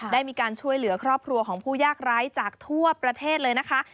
ได้มีการช่วยเหลือครอบครัวของผู้ยากไร้จากทั่วประเทศเลยนะคะ